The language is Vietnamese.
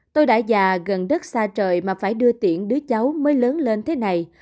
tôi đã già gần đất xa trời mà phải đưa tiện đứa cháu mới lớn lên thế này